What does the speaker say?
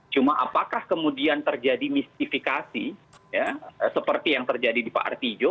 cuma apakah kemudian terjadi mistifikasi seperti yang terjadi di pak artijo